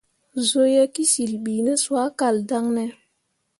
Zuu ye kǝsyil bi ne soa kal daŋ ne ?